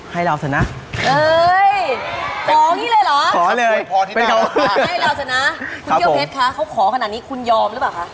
ให้เราเสียนะ